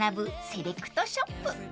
セレクトショップ